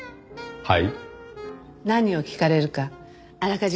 はい。